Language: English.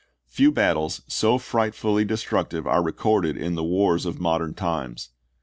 Few battles so frightfully destructive are recorded in the wars of modern times.